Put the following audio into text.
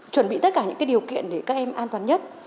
chuẩn bị tất cả những điều kiện để các em an toàn nhất